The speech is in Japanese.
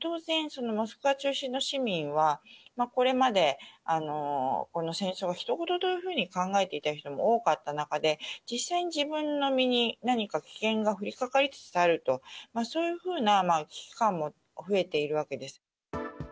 当然、モスクワ中心の市民は、これまでこの戦争をひと事というふうに考えていた人も多かった中で、実際に自分の身に何か危険が降りかかりつつあると、そういうふうな危機感も増えているわけです。